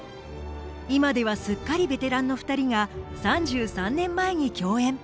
今ではすっかりベテランの２人が３３年前に共演。